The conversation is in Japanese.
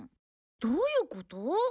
どういうこと？